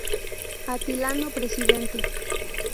Atilano presidente.